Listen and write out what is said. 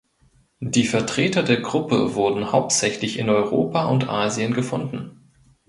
Die Vertreter der Gruppe wurden hauptsächlich in Europa und Asien gefunden.